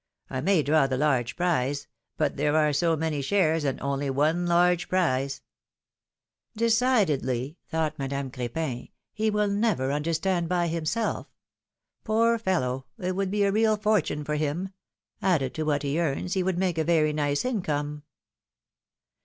^ I may draw the large l^rize ! But there are so many shares, and only one large prize ! Decidedly,'^ thought Madame Crepin, he will never understand by himself! Poor fellow! it would be a real fortune for him ! Added to what he earns, it would make a very nice income